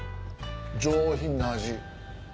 上品な味。